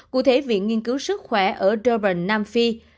cụ thể viện nghiên cứu sức khỏe ở derbainh nam phi